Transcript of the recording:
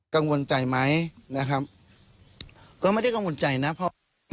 กังวลใจไหมนะครับก็ไม่ได้กังวลใจนะเพราะ